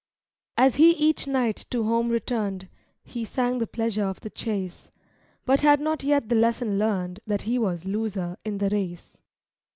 As he each night to home returned He sang the pleasure of the chase; But had not yet the lesson learned That he was loser in the race.